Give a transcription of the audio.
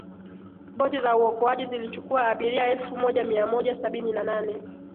boti za uokoaji zilichukua abiria elfu moja mia moja sabini na nane